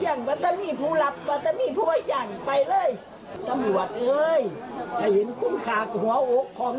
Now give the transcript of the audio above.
ได้จับเขาแน่อยู่นี่ต้องเอาเขามาโรงโทษ